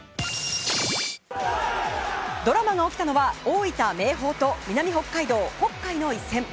ドラマが起きたのは大分・明豊と南北海道・北海の一戦。